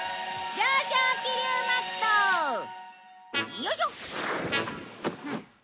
よいしょっ！